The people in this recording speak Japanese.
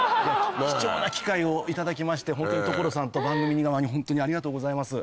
貴重な機会を頂きましてホントに所さんと番組側にホントにありがとうございます。